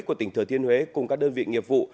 của tỉnh thừa thiên huế cùng các đơn vị nghiệp vụ